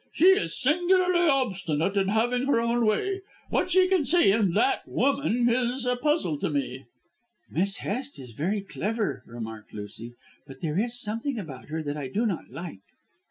"She is singularly obstinate in having her own way. What she can see in that woman is a puzzle to me." "Miss Hest is very clever," remarked Lucy, "but there is something about her that I do not like."